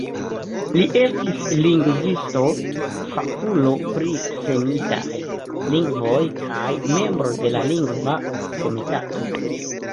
Li estis lingvisto, fakulo pri semidaj lingvoj kaj membro de la Lingva Komitato.